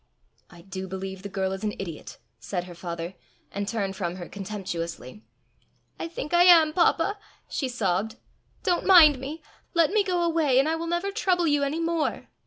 "I do believe the girl is an idiot!" said her father, and turned from her contemptuously. "I think I am, papa," she sobbed. "Don't mind me. Let me go away, and I will never trouble you any more."